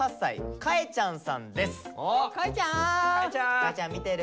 かえちゃん見てる？